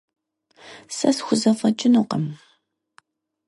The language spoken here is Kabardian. Сэ схузэфэкӏынукъым.